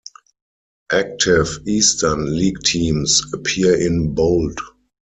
Active Eastern League teams appear in bold.